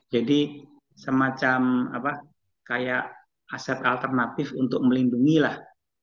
jadi semacam kayak aset alternatif untuk melindungi lah